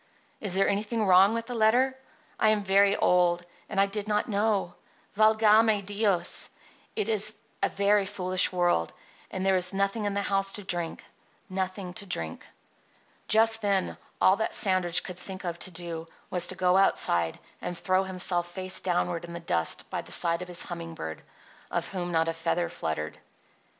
Is there anything wrong in the letter? I am very old; and I did not know. Valgame Dios! it is a very foolish world; and there is nothing in the house to drink— nothing to drink." Just then all that Sandridge could think of to do was to go outside and throw himself face downward in the dust by the side of his humming bird, of whom not a feather fluttered.